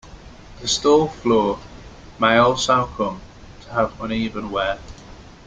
The stall floor may also come to have uneven wear.